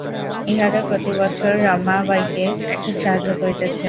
ইহারা প্রতি বৎসর রমাবাইকে খুব সাহায্য করিতেছে।